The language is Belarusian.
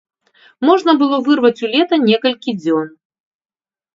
Можна было вырваць у лета некалькі дзён.